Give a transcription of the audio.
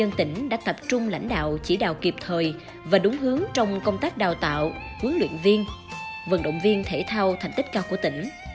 đặc biệt quỹ ba nhân dân tỉnh đã tập trung lãnh đạo chỉ đạo kịp thời và đúng hướng trong công tác đào tạo huấn luyện viên vận động viên thể thao thành tích cao của tỉnh